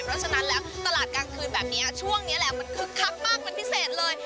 เพราะฉะนั้นแล้วตลาดกลางคืนแบบนี้ช่วงนี้แหละมันคึกคักมากเป็นพิเศษเลย